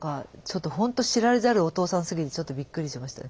ほんと知られざるお父さんすぎてちょっとびっくりしました。